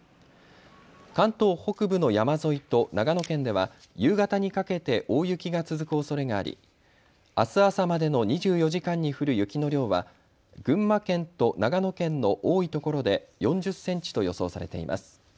関東北部の山沿いと長野県では夕方にかけて大雪が続くおそれがあり、あす朝までの２４時間に降る雪の量は群馬県と長野県の多いところで４０センチと予想されています。